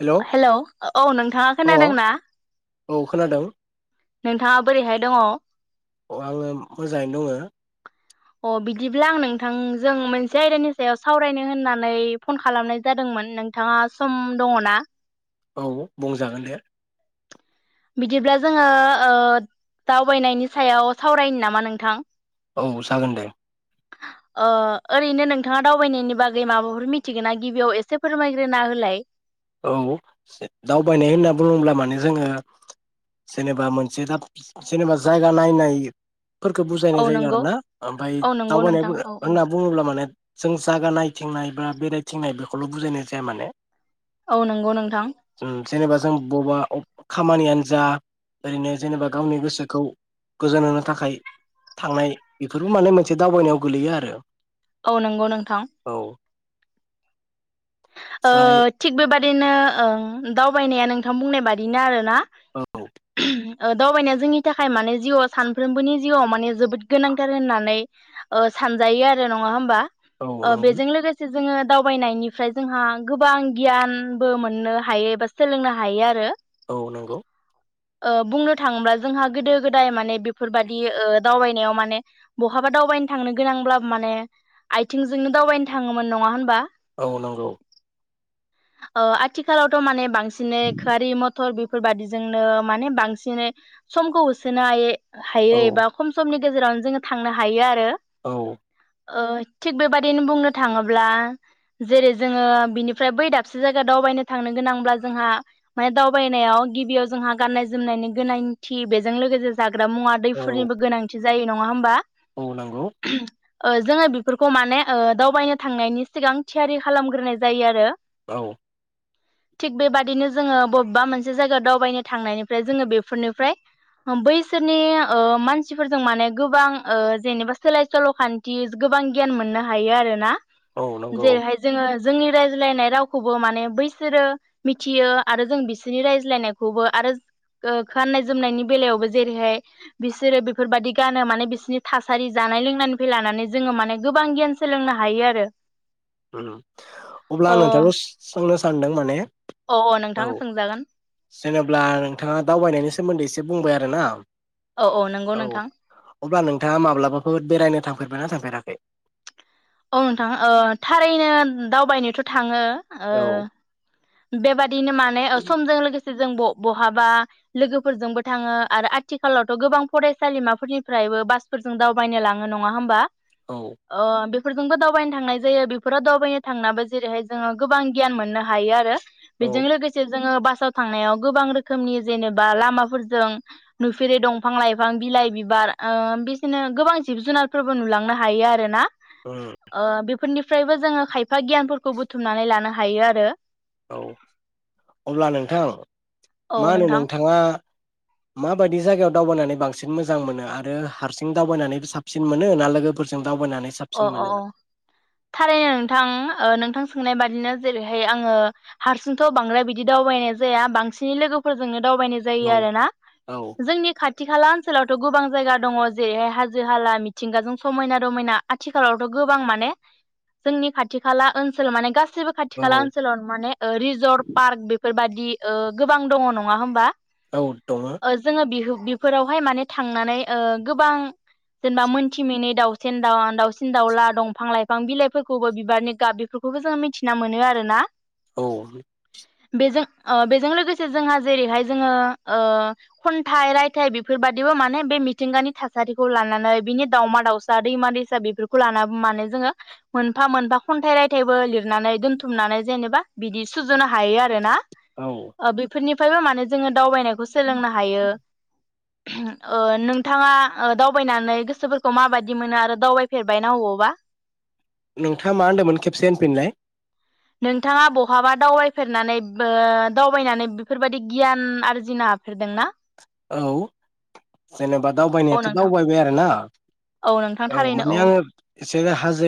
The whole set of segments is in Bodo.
हेलौ हेल' औ नोंथाङा अ खोनादोंना? औ खोनादों । नोंथाङा बोरैहाय दङ? अ आङो मोजाङैनो दङो । अ बिदिब्ला आं नोंथांजों मोनसे आयदानि सायाव सावरायनो होननानै फन खालामनाय जादोंमोन नोंथाङा सम दङ ना? औ बुंजागोन दे । बिदिब्ला जोङो दावबायनायनि सायाव सावरायनो नामा नोंथां? औ जागोन दे । ओ ओरैनो नोंथाङा दावबायनायनि बागै माबाफोर मिथिगोन ना गिबियाव एसे फोरमायग्रोना होलाय । औ दावबायनाय होनना बुङोब्ला माने जोङो जेनेबा मोनसे दाब जेनेबा जायगा नायनाय फोरखो बुजायनाय औ जायो आरो नंगौ ना ओमफाय औ नंगौ दावबायनाय नोंथां औ औ होनना बुङोब्ला माने जों जायागा नायथिंनाय बा बेरायथिंनाय बेखौल बुजायनाय जाया माने । औ नंगौ नोंथां जों जेनेबा जों बबा अब खामानियानो जा ओरैनो जेनेबा गावनि गोसोखौ गोजोन होनो थाखाय थांनाय बेफोरबो माने मोनसे दावबायनायाव गोलैयो आरो । औ नोंगौ नोंथां । ओ ओमफ्राय थिग बेबा दिनो ओ दावबायनाया नोंथां बुंनाय बादिनो आरोना । औ । ओ दावबायनाया जोंनि थाखाय माने जिउआव सानफ्रोमबोनि जिउआव माने जोबोद गोनांथार होननानै ओ सानजायो आरो नङा होमबा? औ ओ नंगौ बेजों लोगोसे जोङो दावबायनायनिफ्राय जोंहा गोबां गियानबो मोननो हायो एबा सोलोंनो हायो आरो । औ नंगौ । ओ बुंनो थाङोब्ला जोंहा गोदो गोदाय माने बेफोरबायदि ओ दावबायनायाव माने बहाबा दावबायनो थांनो गोनांब्ला माने आथिंजोंनो दावबायनो थाङोमोन । नङा होनबा? औ नोंगौ । ओ आथिखालावथ माने बांसिन खारि मथर बेफोर बादिजोंनो माने बांसिनै समखौ होसोनो हायो औ हायो एबा खम समनि गेजेरावनो जोङो थांनो हायो आरो औ ओ थिग बेबादिनो बुंनो थाङोब्ला जेरै जोङो बिनिफ्राय बै दाबसे जायगायाव दावबायनो थांनो गोनांब्ला जोंहा माने दावबायनायाव गिबियाव जोंहा गाननाय जोमनायनि गोनांथि बेजों लोगोसे जागोन मुवा औ दैफोरनिबो गोनांथि जायो नङा होमबा औ नंगौ ओ जोङो बेफोरखौ माने ओ दावबायनो थांनायनि सिगां थियारि खालामग्रोनाय जायो आरो औ थिग बेबादिनो जोङो बबेबा मोनसे जायगायाव दावबायनो थांनायनिफ्राय जोङो बेफोरनिफ्राय बैसोरनि ओ मानसिफोरजों माने गोबां ओ जेनेबा सोलाय सोल खान्थि गोबां गियान मोननो हायो आरोना औ नंगौ जेरैहाय जोङो जोंनि रायज्लायनाय रावखौबो माने बैसोरो मिथियो आरो जों बिसोरनि रायज्लायनायखौबो आरो ओ गाननाय जोमनायनि बेलायावबो जेरैहाय बिसोरो बेफोरबायदि गानो माने बिसोरनि थासारि जानाय लोंनायनिफ्राय लानानै जोङो माने गोबां गियान सोलोंनो हायो आरो उम अब्ला ओ नोंथांखौ सोंनो सानदों माने औ जेनेबा नोंथाङा दावबायनायनि सोमोन्दै एसे बुंबाय आरो ना औ औ नंगौ नोंथां अब्ला नोंथाङा माब्लाबाफोर बेरायनो थांफेरबायना थांफेराखै औ नोंथां थारैनो दावबायनोथ थाङो ओ औ बेबादि बिदिनो माने ओ समजों लोगोसे [unintelligible] बहाबा लोगोफोरजोंबो थाङो आरो आथिखालावथ' गोबां फरायसालिमाफोरनिफ्रायबो बासफोरजों दावबायनो लाङो नङा होमबा औ अ [unintelligible] [unintelligible] फोरजोंबो दावबायनो थांनाय जायो बेफोराव दावबायनो थांनाबो जेरैहाय जोङो गोबां गियान मोननो हायो आरो औ बेजों लोगोसे जोङो बासाव थांनायाव गोबां रोखोमनि जेनेबा लामाफोरजों नुफेरै दंफां लाइफां बिलाइ बिबार ओ बिदिनो गोबां जिब जुनारफोरबो नुलांनो हायो आरोना उम ओ बेफोरनि [unintelligible] फ्रायबो जोङो खायफा गियानफोरखौ बुथुमनानै लानो हायो आरो औ अब्ला नोंथां औ मा होनो नोंथां नोंथाङा माबायदि जायगायाव दावबायनानै बांसिन मोजां मोनो आरो हारसिं दावबायनानै साबसिन मोनो ना लोगो फोरजों अ अ अ थारैनो नोंथां ओ नोंथां सोंनाय बादिनो जेरैहाय आंङो हारसिंथ' बांद्राय बिदि दावबायनाय जाया बांसिनै लोगोफोरजोंनो दावबायनाय जायो औ आरोना औ जोंनि खाथि खालाओ ओनसोलावथ' गोबां जायगा दङ जेरैहाय हाजो हाला मिथिंगाजों समायना रमायना आथिखालावथ' गोबां माने जोंनि खाथि खाला ओनसोल माने गासै सैबो खाथि औ खाला ओनसोलाव माने ओ रिजर्ट पार्क बेफोरबायदि दि ओ गोबां दङ नङा होमबा? औ दङ ओ जोङो बिहु बेफोरावहाय माने थांनानै ओ गोबां जेनेबा मोनथिमै दाउसेन [unintelligible] दाउसिन दाउला दंफां लाइफां बिलाइफोरखौबो बिबारनि गाब बेफोरखौबो जोङो मिथिना मोनो आरोना । औ । बेजों ओ बेजों लोगोसे जोंहा जेरैहाय जोङो ओ खन्थाइ रायथाइ बेफोरबायाददिबो माने बे मिथिंगानि थासारिखौ लानानै बिनि दाउमा दाउसा दैमा दै सा बेफोरखौ लाना माने जोङो मोनफा मोनफा खन्थाइ रायथाइबो लिरनानै दोनथुमनानै जेनेबा बिदि सुजुनो हायो आरोना । औ ओ बेफोरनि फ्रायबो माने जोंङो दावबायनायखौ सोलोंनो हायो । ओ नोंथाङा ओ दावबायनानै गोसोफोरखौ माबायदि मोनो आरो दावबाय फेरबायना अबावबा? नोंथाङा मा होनदोंमोन खेबसे होनफिनलानाय । नोंथाङा बहाबा दावबायफेरनानै ओ दावबायनानै बेफोरबायादि गियान आरजिनो हाफेरदोंना? औ । जेनेबा औ दावबायनायाथ' नोंथां दावबायबाय आरो ना औ माने आंङो एसे हाजो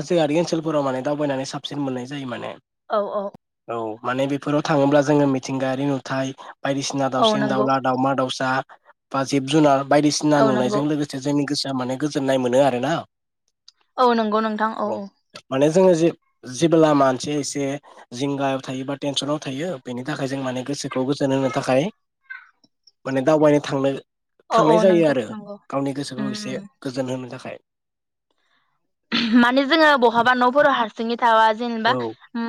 हाजोआरि ओनसोल फोराव माने दावबायनानै साबसिन मोननाय जायो माने औ औ । औ माने बेफोराव थाङोब्ला जोङो मिथिंगायारि नुथाय बायदिसिना औ दावसिन नंगौ दावला दावसा बा जिब जुनार बायदिसिना औ नंगौ नुनायजों लोगोसे जोंनि गोसोआ माने गोजोननाय मोनो आरो ना औ नंगौ नोंथां औ माने जोङो जे जेबो लामा एसे एसे जिंगायाव थायो बा टेनसनाव थायो बेनि थाखाय जों माने गोसोखौ गोजोन होनो थाखाय माने दावबायनो थांनो औ थांनाय औ जायो नंगौ आरो नंगौ गावनि उम गोसोखौ एसे उम गोजोन होनो थाखाय माने जोङो बहाबा न'फोर' हारसिङै थाबा जेनेबा औ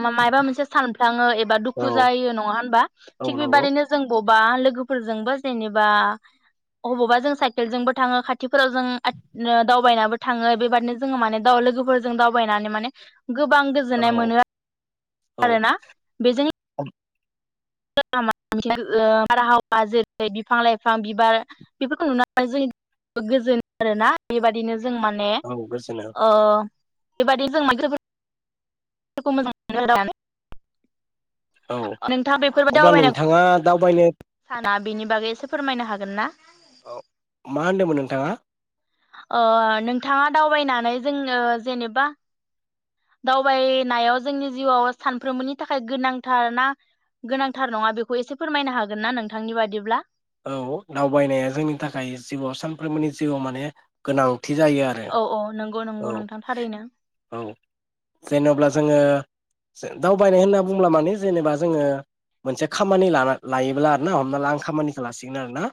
मा मायबा मोनसे सान थांङो एबा औ दुखु जायो नङा होनबा? औ थिग नंगौ बेबायदिनो जों अबबा लोगोफोरजोंबो जेनेबा अबावबा जों साइकेलजोंबो थाङो खाथिफोराव जों आं दावबायनाबो थाङो बेबादनो जो- ङो माने दा लोगोफोरजों दावबायनानै माने गोबां औ गोजोननाय मोनो आं औ आरोना बेजों [unintelligible] बारहावा जेरै बिफां लाइफां बिबार बेफोरखौ नुनानै जों गोजोन आरोना बेबायदिनो [unintelligible] जों माने औ गोजोनो ओ बेबायदि जों [unintelligible] [unintelligible] मोजां मोनो [unintelligible] औ नोंथाङा अब्ला नोंथाङा दावबायनो ना बेनि बागै एसे फोरमायनो हागोन ना? औ मा होनदोंमोन नोंथाङा? ओ नोंथाङा दावबायनानै जों जेनेबा दावबायनायाव जोंनि जिउआव सानफ्रोमबोनि थाखाय गोनांथार ना गोनांथार नङा बेखौ एसे फोरमायनो हागोन ना नोंथांनि बादिब्ला? औ दावबायनाया जोंनि थाखाय जिउआव सानफ्रोमबोनि जिउआव माने गोनां थि जायो आरो औ औ नंगौ नंगौ औ नोंथां थारैनो औ जेनेब्ला जोङो दावबायनाय होनना बुंब्ला माने जेनेबा जोङो मोनसे खामानि लाना लायोब्ला आरोना हमना ला आं खामानि लासिगोन आरो ना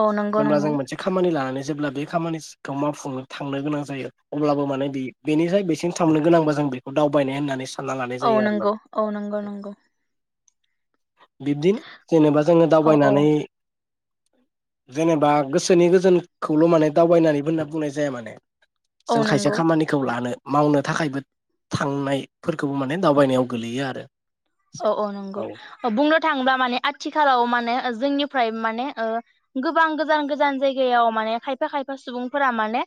औ नंगौ जेब्ला जों नंगौ मोनसे खामानि लानानै जेब्ला बे खामानिखौ मावफुनो थांनो गोनां जायो अब्लाबो माने बेनिफ्राय बेसिम थांनो गोनांबा जों बेखौ दावबायनाय होननानै सान औ नंगौ औ नंगौ नंगौ बिब्दिनो जेनेबा जोङो औ औ दावबायनानै जेनेबा गोसोनि गोजोनखौल' माने दावबायनानै होनना बुंनाय जाया माने। औ जों खायसे नंगौ खामानिखौ लानो मावनो थाखायबो थांनायफोरखौबो माने दावबायनायाव गोलैयो आरो औ औ नंगौ बुंनो थाङोब्ला माने आथिखालाव मानो जोंनिफ्राय माने ओ गोबां गोजान गोजान जायगायाव माने खायफा खायफा सुबुंफोरा माने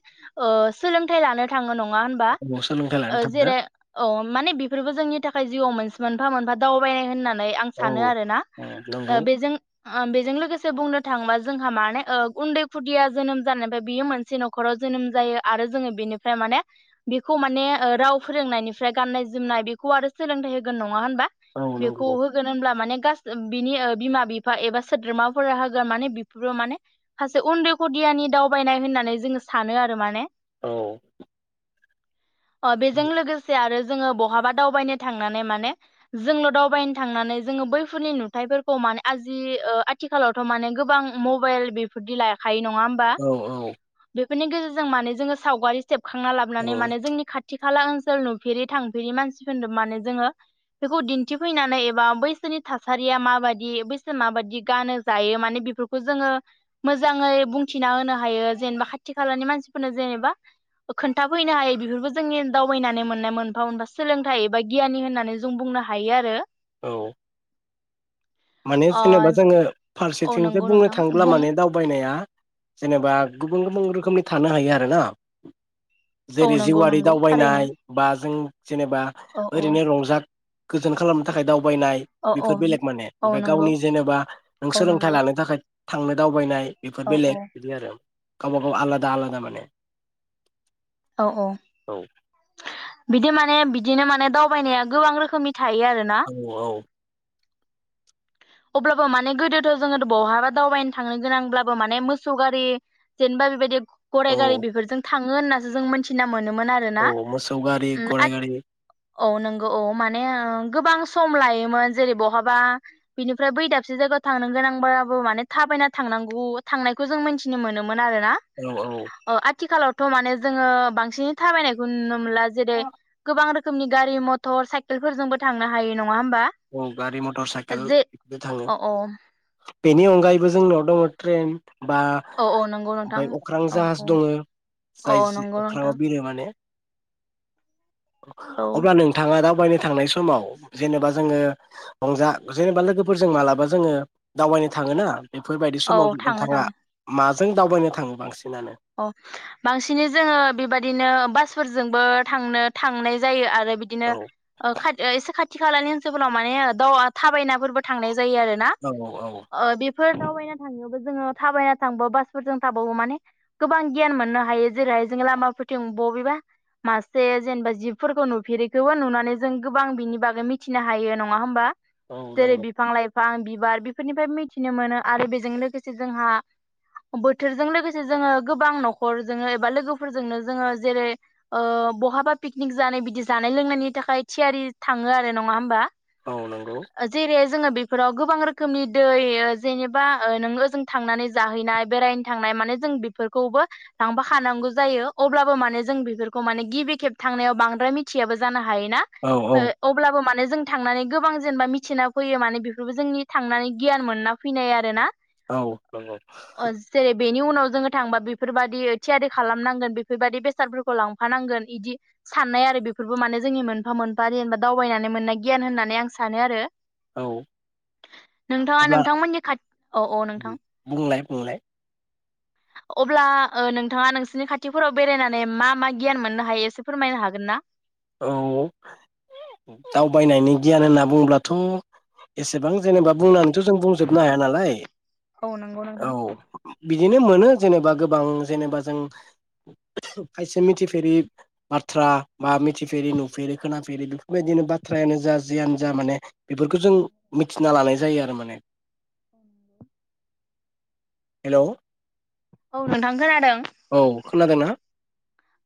ओ सोलोंथाइ लानो थाङो नङा नङा होनबा औ सोलोंथाइ लानो ओ थांनो जेरै अ माने बेफोरबो जोंनि थाखाय जिउआव मोनसे मोनफा मोनफा दावबायनाय होननानै आं औ सानो आरोना नंगौ बेजों बेजों लोगोसे बुंनो थाङोबा जोंहा माने ओ उन्दै खुदिया जोनोम जानायनिफ्राय बियो मोनसे न'खराव जोनोम जायो आरो जोङो बेनिफ्राय माने बेखौ माने राव फोरोंनायनिफ्राय गाननाय जोमनाय बेखौ आरो सोलोंथाइ होगोन नङ [unintelligible] औ बेखौ नंगौ होगोन होनब्ला माने फास बिनि बिमा बिफा एबा सोद्रोमाफोरा होगोन माने बेफोरबो माने सासे उन्दै खदियानि दावबायनाय होननानै जोङो सानो आरो माने औ अ बेजों लोगोसे आरो जोङो बहाबा दावबायनो थांनानै माने जोंल' दावबायनो थांनानै जोङो बैफोरनि नुथायफोरखौ माने आजि आथिखालावथ' माने गोबां मबाइल बेफोरदि लायाखायो नङा औ औ बेनि गेजेरजों मे जोङो सावगारि सेबखांना लाबोनानै औ माने जोंनि खाथि खाला ओनसोल नुफेरि थांफेरि मानसिफोरनो मानोे जोङो बेखौ दिन्थिफैनानै एबा बैसोरनि थासारिया माबाददि बैसोर माबाददि गानो जायो माने बेफोरखौ जोङो मोजाङै बुंथिना होनो हायो जेनेबा खाथि खालानि मानसिफोरनो जेनेबा खोन्थाफैनो हायो बेफोरखौ जोंनि दावबायनानै मोननाय मोनफा मोनबा सोलोंथाइ एबा गियानि होननानै जों बुंनो हायो आरो औ माने अ जेनेबा जोङो औ फारसेथिंनिफ्राय नंगौ बुंनो नोंथां थाङोब्ला बुं माने दावबायनाया जेनेबा गुबुन गुबुन रोखोमनि थानो हायो आरोना औ जेरै नंगौ जिउयारि नंगौ थारैनो दावबायनाय बा जों जेनेबा औ औ ओरैनो रंजा गोजोन खालामनो थाखाय दाव बायनाय औ औ बेफोर बेलेग माने औ ओमफाय नंगौ गावनि जेनेबा नों औ सोलोंथाइ नंगौ लानो थाखाय थांनो दावबायनाय बेफोर औ बेलेग औ बिदि आरो गावबा-गाव आलादा आलादा माने औ औ औ बिदि माने बिदिनो माने दावबायनाया गोबां रोखोमनि थायो आरोना औ अब्लाबो माने गोदोथ' जोङो बहाबा दावबायनो थांनो गोनांब्लाबो माने मोसौ गारि जेनेबा बेबायदि गराइ गारि औ बेफोरजों था थाङो होनना जों मिथिना मोनोमोन आरोना औ मोसौ गारि आथिखाल गराय गारि। औ नोंगौ औ माने ओ गोबां सम लायोमोन जेरै बहाबा बिनिफ्राय बै दाबसे जायगायाव थांनो गोनांबाबो माने थाबायना थांनांगौ थांनायखौ जों मिथिनो मोनोमोन मोन आरोना औ औ ओ आथिखालाव थ' माने जोङो बांसिनै थाबायनाय उन मला जेरै गोबां रोखो रोखोमनि गारि मथर साइकेलफोरजोंबो थांनो हायो नङा होमबा औ गारि मटर जे साइकेलबो थाङो, अ औ बेनि अनगायैबो जोंनाव दं ट्रेन बा औ औ नंगौ नोंथां ओमफाय अख्रां औ जाहाज औ दङ औ जाय नंगौ नोंथां अख्राङाव बिरो माने औ अब्ला नोंथाङा दा बायनो थांनाय समाव जेनेबा जो जोङो रंजा जेनेबा लोगोफोरजों मालाबा जोङो दावबायनो थाङो ना बेफोरबायदि समाव औ थाङो नोंथाङा थाङो माज जों दावबायनो थाङो बांसिनानो अ बांसिनै जोङो बेबाददिनो बासफोरजोंबो थांनो थांनाय जायो आरो बिदिनो औ ओ इसे खाथि ओ इसे खाथि खाथि खालानि ओनसोलफोराव माने ओ दाव थाबायनायफोरबो थांनाय जा जायो आरोना औ औ ओ बेफो फोर दावबायना थांनोबो जोङो थाबायना थांबा बासफोरजों थाबावो माने गोबां गियान मोननो हायो जेरैहाय जों लामाफोरोथिं बबेबा मासे जेनेबा जिबफोरखौ नुफेरैखौबो नुनानै जों गोबां बिनि बागै मिथिनो हायो नङा होमबा औ जेरै नंगौ बिफां लाइफां बिफां बिबार बेफोरनिफ्राय मिथिनो मोनो आरो बेजों लोगोसे जोंहा बोथोरजों लोगोसे जोङो गोबां न'खरजोंनो एबा लोगोफोरजोंनो जोङो जेरै ओ बहाबा पिकनिक जानाय बिदि जानाय लोंनायनि थाखाय थियारि थाङो आरो नङा होमबा औ नंगौ जेरै जोङो बेफोराव गोबां रोखोमनि दै ओ जेनेबा नोंङो ओजों थांनानै जाहैनाय बेरायनो थांनाय माने जों बेफो फोरखौबो लांफा खानांगौ जायो अब्लाबो माने जों बेफोरखौ माने गिबि खेब थांनायाव बांद्राय मिथियाबो जानो हा हायोना औ औ ओ अब्लाबो माने जों थांनानै गोबां जेनेबा मिथिना फैयो माने बेफोरबो जोंनि थांनानै गियान मोनना फैनाय आरोना औ नंगौ बेनि उनाव जोङो थांबा बेफोरबादि थियारि खालामनांगोन बेफोरबादि बेसादफोरखौ लांफानांगोन इदि साननाय आरो बेफोरबो माने जोंनि मोनफा मोनफा जेनेबा दावबायनानै मोननाय गियान होननानै आं सानो आरो औ नोंथाङा अब्ला नोंथांमोननि खाथ औ औ नोंथां बुंलाय बुंलाय अब्ला नोंथाङा नोंसोरनि खाथिफोराव बेरायनानै मा मा गियान मोननो हायो एसे फोरमायनो हागोन ना औ औ दावबायनायनि गियान होनना बुंङोब्लाथ एसेबां जेनेबा बुंनानैथ जों बुंजोबनो हाया नालाय नोंथां? औ बिदिनो मोनो जेनेबा गोबां जेनेबा जों खायसे मिथिफेरि बाथ्रा बा मि मिथिफेरै नुफेरै खोनाफेरै बेफोरबायदिनो बाथ्रायानो जा जियानो जा माने बेफोरखौ जों मिथिना लानाय जायो आरो माने हेल औ नोंथां खोनादों औ खोनादोंना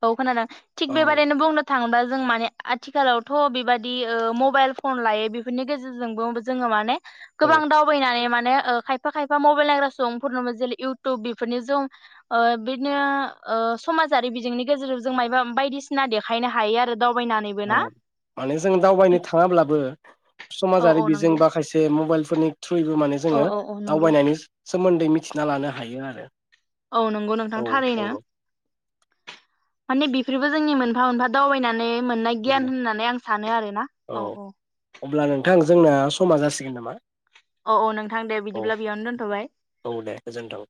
औ खोनादों थिग बे औ बादिनो बुंनो थां बा जों माने आथिखालावथ बेबादि ओ मबाइल फन लायो बेफोरनि गेजेरजोंबो जोंङो माने औ गोबां दावबायनानै माने ओ खायफा खायफा मबेल नायग्रा सुबुंफोरखौ इउथुब बिदिनोनि ओ समाजारि बिजोंनि गेजेर जों मायबा बायदिसिना देखायनो हायो आरो दावबायनानैबो ना औ माने जों दावबायनो थांङाब्लाबो औ समाजारि औ बिजों नंगौ बा खायसे मबाइल फोरनि थ्रुयैबो माने औ जोंङो औ औ नंगौ दावबायनायनि सोमोन्दै मिथ थिना लानो हायो आरो। औ नंगौ नोंथां औ थारैनो। माने बेफोरबो जोंनि मोनफा मोनफा दावबायनानै मोननाय गियान नंगौ होननानै आं सानो आरोना औ औ अब्ला नोंथां जोंना समा जासिगोन नामा? अ औ नोंथां दे औ बिदिब्ला बेयावनो दोनथ'बाय। औ दे गोजोनथों